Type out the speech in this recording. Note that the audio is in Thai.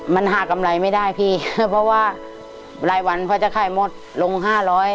มันหากำไรไม่ได้พี่เพราะว่ารายวันพอจะขายหมดลงห้าร้อย